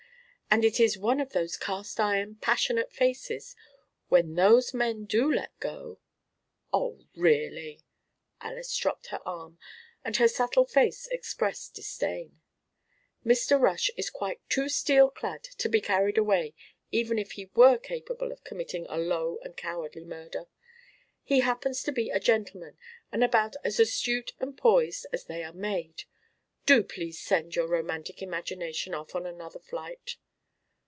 And it is one of those cast iron, passionate faces; when those men do let go " "Oh, really!" Alys dropped her arm, and her subtle face expressed disdain. "Mr. Rush is quite too steel clad to be carried away even if he were capable of committing a low and cowardly murder. He happens to be a gentleman and about as astute and poised as they are made. Do please send your romantic imagination off on another flight."